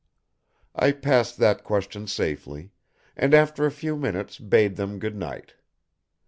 I passed that question safely, and after a few minutes bade them good night.